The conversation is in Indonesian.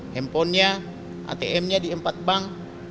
handphone nya atm nya di empat bank